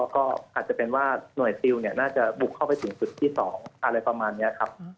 ก็อาจจะเป็นว่าหน่วยซิลน่าจะบุกเข้าไปถึงจุดที่๒อะไรประมาณนี้ครับ